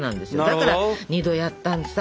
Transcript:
だから２度やったのさ。